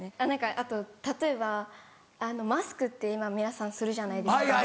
あと例えばマスクって今皆さんするじゃないですか。